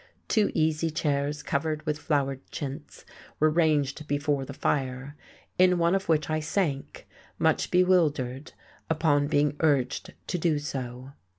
Two easy chairs, covered with flowered chintz, were ranged before the fire, in one of which I sank, much bewildered, upon being urged to do so.